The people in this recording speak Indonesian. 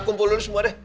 kumpul dulu semua deh